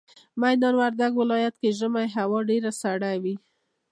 ميدان وردګ ولايت کي ژمي هوا ډيره سړه وي